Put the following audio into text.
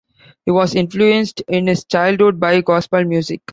He was influenced in his childhood by gospel music.